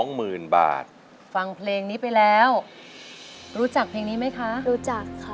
หมื่นบาทฟังเพลงนี้ไปแล้วรู้จักเพลงนี้ไหมคะรู้จักค่ะ